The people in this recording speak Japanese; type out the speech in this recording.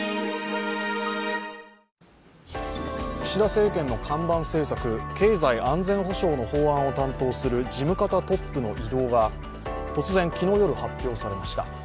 岸田政権の看板政策、経済安全保障の法案を担当する事務方トップの異動が突然昨日夜、発表されました。